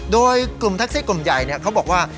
โดยกลุ่มแท็กซี่กลุ่มใหญ่เขาบอกว่า